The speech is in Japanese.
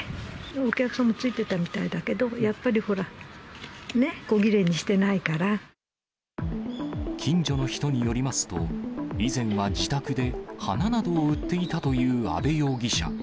お客さんもついてたみたいだけど、やっぱりほら、ね、近所の人によりますと、以前は自宅で花などを売っていたという阿部容疑者。